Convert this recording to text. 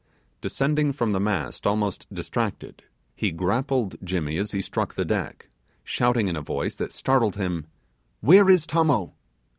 Descending from the mast almost distracted, he grappled Jimmy as he struck the deck, shouting in a voice that startled him, 'Where is Tommo?